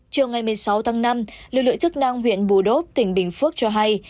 chiều ngày một mươi sáu tháng năm lực lượng chức năng huyện bù đốp tỉnh bình phước cho hay